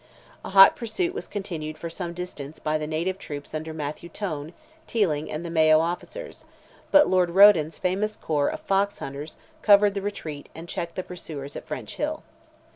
A hot pursuit was continued for some distance by the native troops under Mathew Tone, Teeling, and the Mayo officers; but Lord Roden's famous corps of "Fox hunters" covered the retreat and checked the pursuers at French Hill.